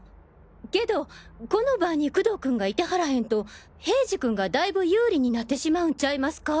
けどこの場に工藤君がいてはらへんと平次君がだいぶ有利になってしまうんちゃいますか？